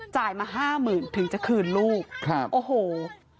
จ่ายมา๕๐๐๐๐ถึงจะคืนลูกโอ้โฮครับ